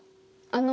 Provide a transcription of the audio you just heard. あの。